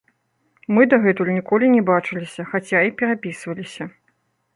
Мы дагэтуль ніколі не бачыліся, хаця і перапісваліся.